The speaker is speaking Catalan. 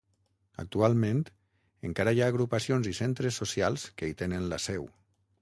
Actualment encara hi ha agrupacions i centres socials que hi tenen la seu.